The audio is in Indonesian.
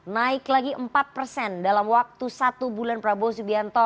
naik lagi empat persen dalam waktu satu bulan prabowo subianto